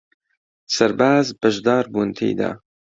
سەرباز بەشدار بوون تێیدا